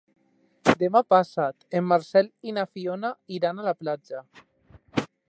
Demà passat en Marcel i na Fiona iran a la platja.